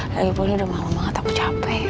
lagipun udah malem banget aku capek